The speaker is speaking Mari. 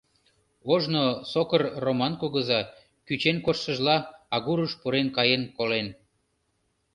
Ожно сокыр Роман кугыза, кӱчен коштшыжла, агурыш пурен каен колен.